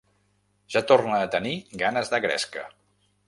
Ja torna a tenir ganes de gresca.